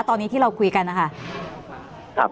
ตอนนี้ที่เราคุยกันนะคะ